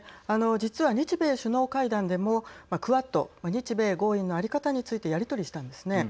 実は、日米首脳会談でもクアッド＝日米豪印の在り方についてやり取りしたんですね。